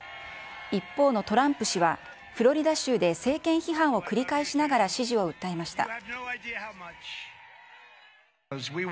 一方のトランプ氏は、フロリダ州で政権批判を繰り返しながら支持を訴えました。